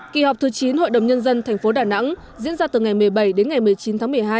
kỳ họp thứ chín hội đồng nhân dân thành phố đà nẵng diễn ra từ ngày một mươi bảy đến ngày một mươi chín tháng một mươi hai